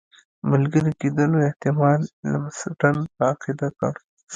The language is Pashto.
ملګري کېدلو احتمال لمسډن په عقیده کړ.